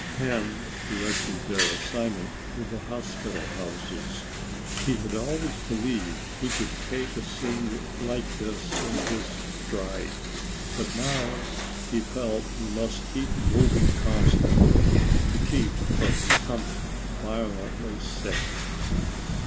Ken directed their assignment to the hospital houses. He had always believed he could take a scene like this in his stride, but now he felt he must keep moving constantly to keep from becoming violently sick.